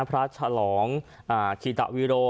พระฉลองขีตวิโร